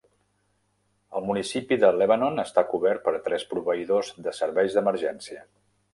El municipi de Lebanon està cobert per tres proveïdors de serveis d'emergència.